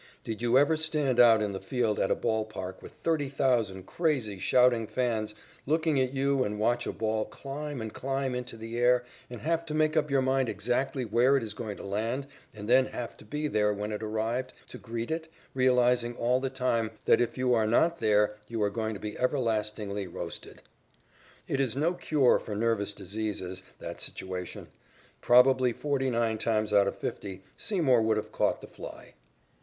Did you ever stand out in the field at a ball park with thirty thousand crazy, shouting fans looking at you and watch a ball climb and climb into the air and have to make up your mind exactly where it is going to land and then have to be there, when it arrived, to greet it, realizing all the time that if you are not there you are going to be everlastingly roasted? It is no cure for nervous diseases, that situation. Probably forty nine times out of fifty Seymour would have caught the fly.